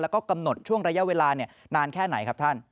แล้วก็กำหนดช่วงระยะเวลานานแค่ไหนครับท่าน